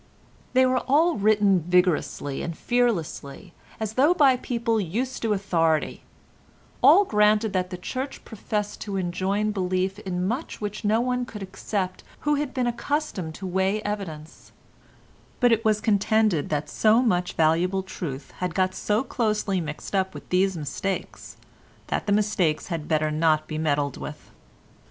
They were all written vigorously and fearlessly as though by people used to authority; all granted that the Church professed to enjoin belief in much which no one could accept who had been accustomed to weigh evidence; but it was contended that so much valuable truth had got so closely mixed up with these mistakes, that the mistakes had better not be meddled with.